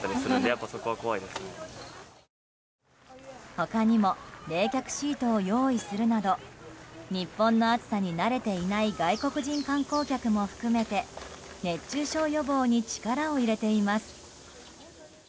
他にも冷却シートを用意するなど日本の暑さに慣れていない外国人観光客も含めて熱中症予防に力を入れています。